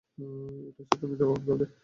এটাই সত্য-মিথ্যা প্রমাণ করবে!